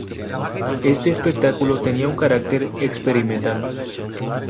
Este espectáculo tenía un carácter experimental.